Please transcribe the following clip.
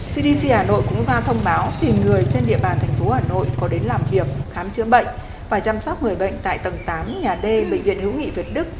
cdc hà nội cũng ra thông báo tìm người trên địa bàn thành phố hà nội có đến làm việc khám chữa bệnh và chăm sóc người bệnh tại tầng tám nhà d bệnh viện hữu nghị việt đức